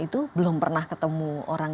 itu belum pernah ketemu orang